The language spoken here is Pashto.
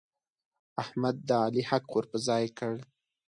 احمد د علي حق ور پر ځای کړ.